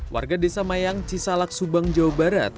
warga desa mayang cisalak subang jawa barat